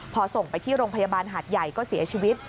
พอส่งไปที่โรงพยาบาลหาดใหญ่ก็เสียชีวิต